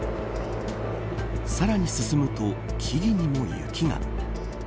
さらに進むと木々にも雪が。